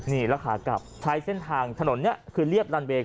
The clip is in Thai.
นี่แล้วขากลับใช้เส้นทางถนนนี้คือเรียบรันเวย์